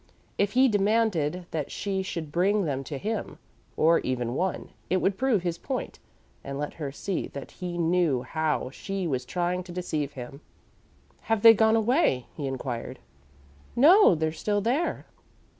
If he demanded that she should bring them to him, or even one, it would prove his point and let her see that he knew how she was trying to deceive him. "Have they gone away?" he inquired. "No, they're still there."